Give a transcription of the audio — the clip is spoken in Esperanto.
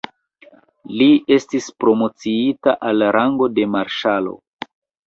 Li estis promociita al rango de marŝalo.